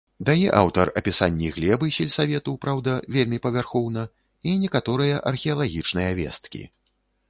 Дае аўтар апісанні глебы сельсавету, праўда, вельмі павярхоўна, і некаторыя археалагічныя весткі.